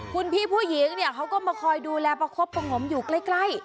คุณพี่ผู้หญิงเนี่ยเขาก็มาคอยดูแลประคบประงมอยู่ใกล้